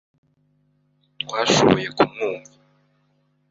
Twashoboye kumwumva.